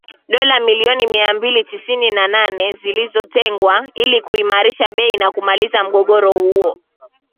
dola milioni mia mbili tisini na nane zilizotengwa ili kuimarisha bei na kumaliza mgogoro huo